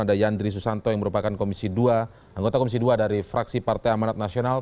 ada yandri susanto yang merupakan komisi dua anggota komisi dua dari fraksi partai amanat nasional